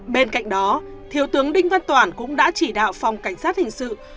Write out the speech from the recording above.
bên cạnh đó thiếu tướng đinh văn toản cũng đã chỉ đạo phòng cảnh sát hình sự